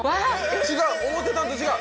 違う思ってたんと違う！